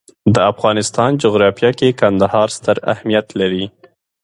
د افغانستان جغرافیه کې کندهار ستر اهمیت لري.